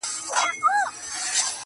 تر مرگه پوري هره شـــپــــــه را روان_